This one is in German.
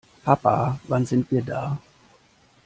Papa, wann sind wir da?